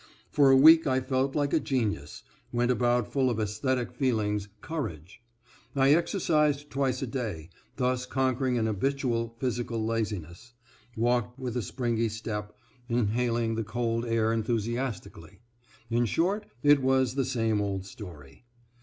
For a week I felt like a genius, went about full of esthetic feelings, courage. I exercised twice a day, thus conquering an habitual physical laziness, walked with a springy step, inhaling the cold air enthusiastically. In short, it was the same old story.